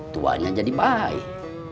tuanya jadi baik